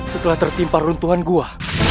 setelah tertimpa runtuhan gua